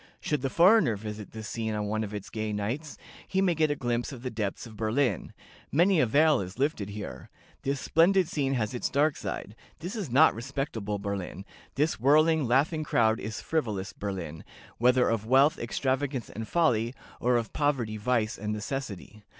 Should the foreigner visit this scene on one of its gay nights, he may get a glimpse of the depths of Berlin life. Many a veil is lifted here. This splendid scene has its dark side. This is not respectable Berlin. This whirling, laughing crowd is frivolous Berlin, whether of wealth, extravagance, and folly, or of poverty, vice, and necessity.